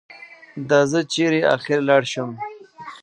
دا زه چېرې اخر لاړ شم؟